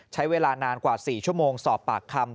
ใช้เวลานานกว่า๔ชั่วโมงสอบปากคำ